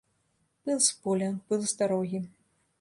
Пыл з поля, пыл з дарогі.